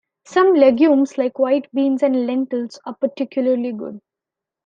Some legumes, like white beans and lentils are particularly good.